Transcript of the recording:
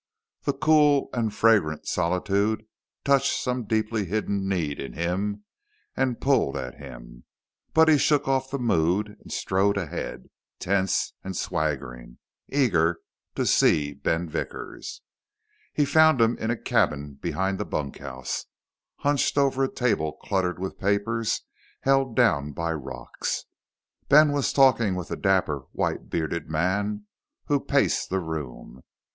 The cool and fragrant solitude touched some deeply hidden need in him and pulled at him, but he shook off the mood and strode ahead, tense and swaggering, eager to see Ben Vickers. He found him in a cabin behind the bunkhouse, hunched over a table cluttered with papers held down by rocks. Ben was talking with a dapper, white bearded man who paced the room.